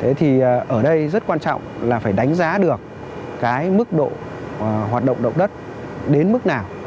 thế thì ở đây rất quan trọng là phải đánh giá được cái mức độ hoạt động động đất đến mức nào